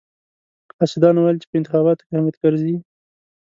حاسدانو ويل چې په انتخاباتو کې حامد کرزي.